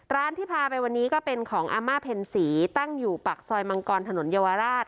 ที่พาไปวันนี้ก็เป็นของอาม่าเพ็ญศรีตั้งอยู่ปากซอยมังกรถนนเยาวราช